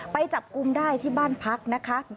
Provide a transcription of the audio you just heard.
ไปจับกลุ่มได้ที่บ้านพักนะคะ